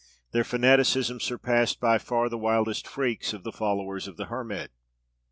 Their fanaticism surpassed by far the wildest freaks of the followers of the Hermit.